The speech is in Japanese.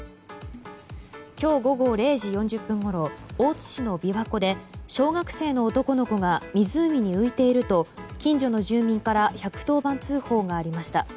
今日午後０時４０分ごろ大津市の琵琶湖で小学生の男の子が湖に浮いていると近所の住民から１１０番通報がありました。